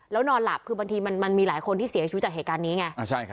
แล้วนอนหลับคือบางทีมันมีหลายคนที่เสียชีวิตจากเหตุการณ์นี้ไง